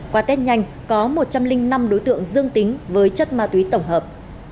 qua test nhanh có một trăm linh năm đối tượng dương tính với chất ma túy tổng hợp